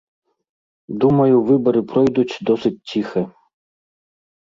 Думаю, выбары пройдуць досыць ціха.